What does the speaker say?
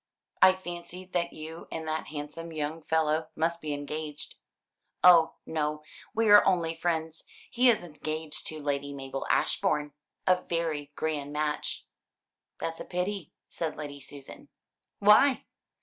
I fancied that you and that handsome young fellow must be engaged." "Oh no. We are only old friends. He is engaged to Lady Mabel Ashbourne a very grand match." "That's a pity," said Lady Susan. "Why?"